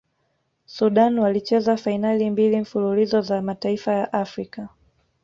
sudan walicheza fainali mbili mfululizo za mataifa ya afrika